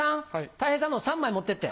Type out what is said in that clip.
たい平さんのを３枚持ってって。